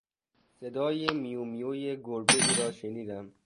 صدای میومیوی گربهای را شنیدیم.